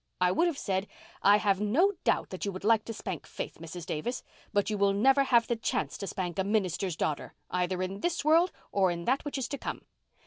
I would have said, 'I have no doubt you would like to spank Faith, Mrs. Davis, but you will never have the chance to spank a minister's daughter either in this world or in that which is to come.